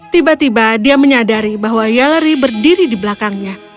tiba tiba dia menyadari bahwa yalery berdiri di belakangnya